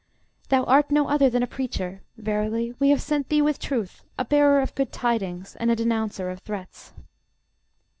Thou art no other than a preacher; verily we have sent thee with truth, a bearer of good tidings, and a denouncer of threats.